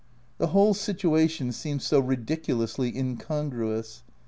The whole situation seemed so ridiculously incongruous.